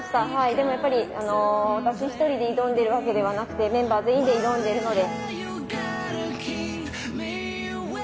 でもやっぱり私一人で挑んでいるわけではなくてメンバー全員で挑んでいるので。